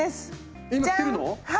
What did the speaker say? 今着てるの？